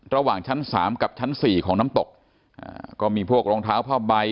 ระหว่างชั้นสามกับชั้นสี่ของน้ำตกอ่าก็มีพวกรองเท้าผ้าใบ